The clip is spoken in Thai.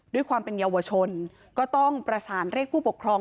ด้วยความเป็นเยาวชนก็ต้องประสานเรียกผู้ปกครอง